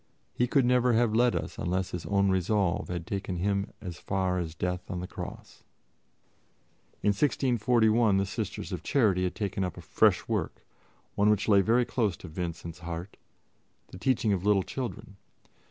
He could never have led us unless His own resolve had taken Him as far as death on the Cross." In 1641 the Sisters of Charity had taken up a fresh work, one which lay very close to Vincent's heart, the teaching of little children.